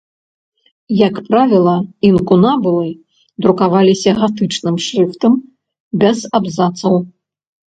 Як правіла, інкунабулы друкаваліся гатычным шрыфтам без абзацаў.